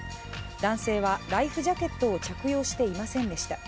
男性はライフジャケットを着用していませんでした。